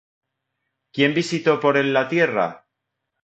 ¿Quién visitó por él la tierra?